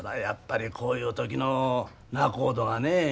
やっぱりこういう時の仲人はね